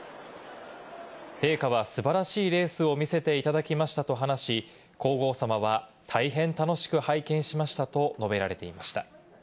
陛下は素晴らしいレースを見せていただきましたと話し、皇后さまは大変楽しく拝見しましたと、述べられていました。